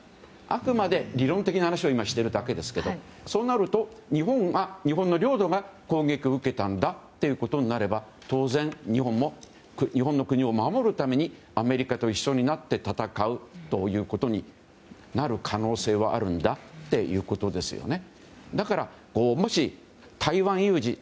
あくまで理論的な話をしているだけですけどそうなると日本の領土が攻撃を受けたことになれば当然、日本も日本の国を守るためにアメリカと一緒になって戦うということになる可能性はあるんだってことですね。